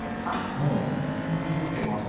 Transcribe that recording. うん写ってます。